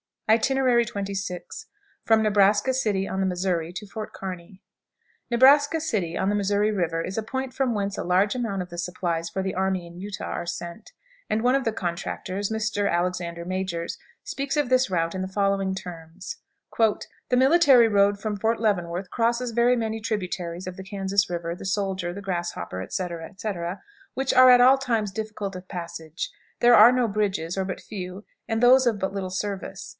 XXVI. From Nebraska City, on the Missouri, to Fort Kearney. Nebraska City, on the Missouri River, is a point from whence a large amount of the supplies for the army in Utah are sent, and one of the contractors, Mr. Alexander Majors, speaks of this route in the following terms: "The military road from Fort Leavenworth crosses very many tributaries of the Kansas River, the Soldier, the Grasshopper, etc., etc., which are at all times difficult of passage. There are no bridges, or but few, and those of but little service.